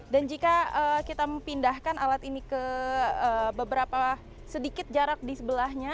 dan jika kita pindahkan alat ini ke beberapa sedikit jarak di sebelahnya